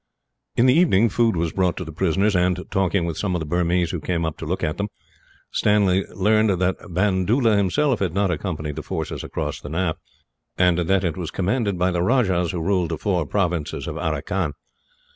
In the evening food was brought to the prisoners and, talking with some of the Burmese who came up to look at them, Stanley learned that Bandoola himself had not accompanied the force across the Naaf, and that it was commanded by the rajahs who ruled the four provinces of Aracan.